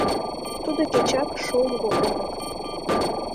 Тудо кечак шоҥго Олык